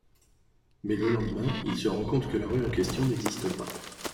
Mais le lendemain il se rend compte que la rue en question n'existe pas.